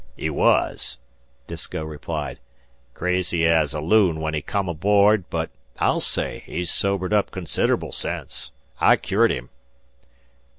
"He wuz," Disko replied. "Crazy ez a loon when he come aboard; but I'll say he's sobered up consid'ble sence. I cured him."